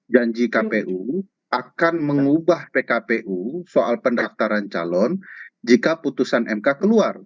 janji kpu akan mengubah pkpu soal pendaftaran calon jika putusan mk keluar